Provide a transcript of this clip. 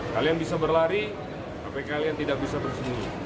kalian bisa berlari tapi kalian tidak bisa bersembunyi